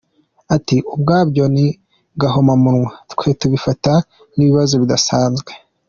“Ati ubwabyo ni gahomamunwa, twe tubifata nk’ikibazo kidasanzwe.